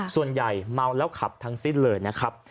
ส่วนใหญ่เมาแล้วขับทั้งสิ้นเลยนะครับ